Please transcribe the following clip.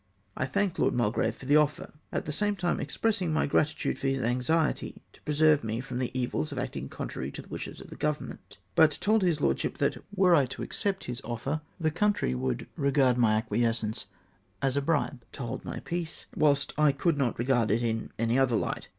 I thanked Lord Mulgrave for the offer, at the same time expressing my gratitude for his airxiety to pre serve me fi'om the evils of acting contrary to the wishes of the Government ; but told his lordship that, were I to accept this offer, the country would regard my acquiescence as a bribe to hold my peace, whilst I coidd not regard it in any other hght.